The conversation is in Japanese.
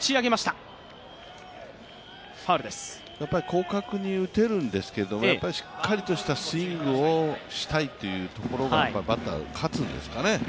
広角に打てるんですけど、しっかりとしたスイングをしたいというバッター、勝つんですかね。